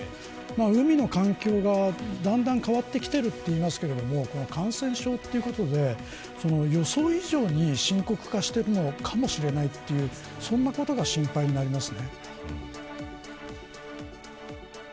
海の環境がだんだん変わってきているといいますけど感染症ということで予想以上に深刻化しているのかもしれないそんなことが心配になりますね。